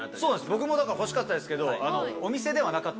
僕もだから欲しかったですけど。